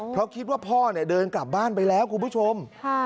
เพราะคิดว่าพ่อเดินกลับบ้านไปแล้วคุณผู้ชม